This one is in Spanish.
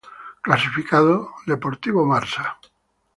Clasificado: Deportivo Marsa.